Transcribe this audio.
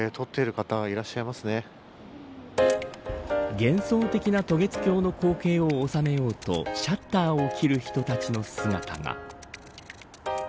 幻想的な渡月橋の光景を収めようとシャッターを切る人たちの姿が。